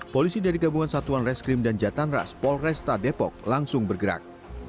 polisi dari gabungan satuan reskrim dan jatanras polresta depok langsung bergerak